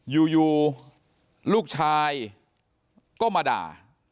อยู่ลูกชายก็มาด่า